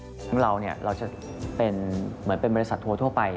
ทั้งเรานี่เราจะเป็นเหมือนเป็นบริษัททั่วไป